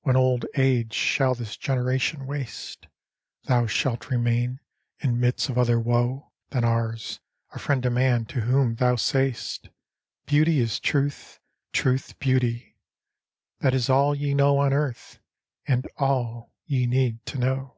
When old age shall this generation waste, Thou shalt remain, in midst of other woe Than ours, a friend to man, to whom thou say 'st, . "Beauty is truth, truth beauty, "— that is all j Ye know on earth, and all ye need to know.